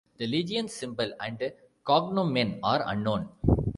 The legion's symbol and "cognomen" are unknown.